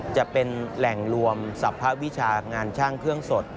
จะเป็นแหล่งรวมสรรพวิชางานช่างเครื่องสด